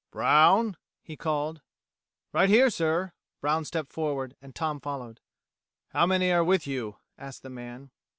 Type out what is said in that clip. "Brown," he called. "Right here, sir." Brown stepped forward, and Tom followed. "How many are with you?" asked the man.